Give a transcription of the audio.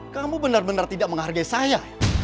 kamu benar benar tidak menghargai saya